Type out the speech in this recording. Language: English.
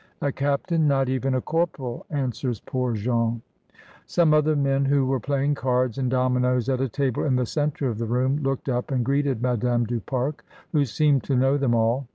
"A captain! not even a corporal," answers poor Jean. Some other men who were playing cards and dominoes at a table in the centre of the room looked up and greeted Madame du Pare, who seemed to know them all.